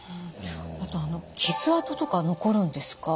あと傷あととか残るんですか？